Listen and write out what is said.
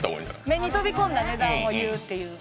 目に飛び込んだ値段を言うっていう。